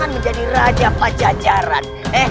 jangan menjadi raja pajajaran